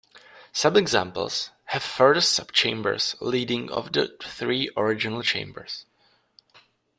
Some examples have further sub-chambers leading off the three original chambers.